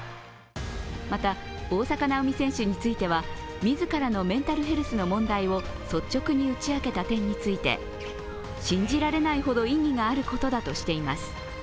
また大坂なおみ選手については、自らのメンタルヘルスの問題を率直に打ち明けた点について信じられないほど意義があることだとしています。